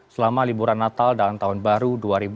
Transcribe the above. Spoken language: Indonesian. selama liburan natal dan tahun baru dua ribu dua puluh